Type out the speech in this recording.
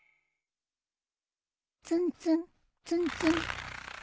ツンツンツンツン。